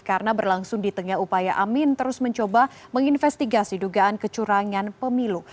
karena berlangsung di tengah upaya amin terus mencoba menginvestigasi dugaan kecurangan pemilu